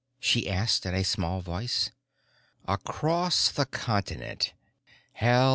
she asked in a small voice. "Across the continent. Hell!